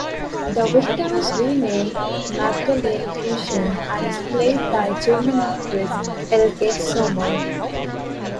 The victim is renamed Magdalene Kruschen and is played by German actress Elke Sommer.